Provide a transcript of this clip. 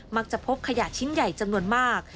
มักจะพบขยะชิ้นใหญ่จำนวนมาก